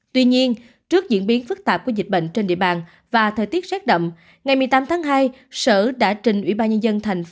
tuy nhiên trước diễn biến phức tạp của dịch bệnh trên địa bàn và thời tiết xét đậm ngày một mươi tám tháng hai